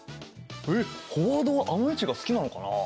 えっフォワードはあの位置が好きなのかな？